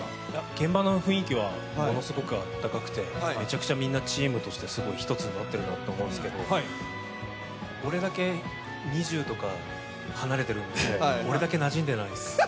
現場の雰囲気はものすごくあったかくてめちゃくちゃチームとして１つになってると思うんですけれども、俺だけ２０とか離れてるんで、俺だけなじんでないです。